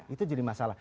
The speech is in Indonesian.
itu jadi masalah